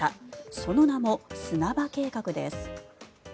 その名も砂場計画です。